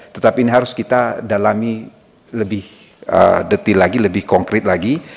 tetapi ini harus kita dalami lebih detail lagi lebih konkret lagi